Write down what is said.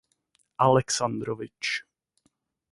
Alexandrovič.